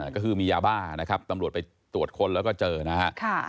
ก็คือมียาบ้านะครับตำรวจไปตรวจค้นแล้วก็เจอนะฮะ